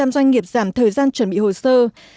năm mươi một doanh nghiệp giảm thời gian chuẩn bị hồ sơ